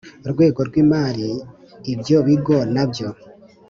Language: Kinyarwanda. rwego rw imari ibyo bigo na byo